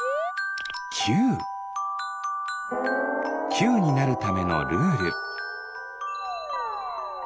きゅうになるためのルール。